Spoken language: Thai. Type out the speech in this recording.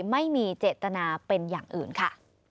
ไม่มีเจตนาเป็นอย่างอื่นค่ะ